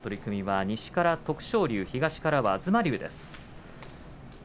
十両の取組は西から徳勝龍東から東龍です。